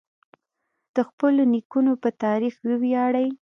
د خپلو نیکونو په تاریخ وویاړئ.